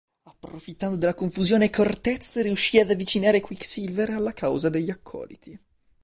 Approfittando della confusione Cortez riuscì ad avvicinare Quicksilver alla causa degli Accoliti.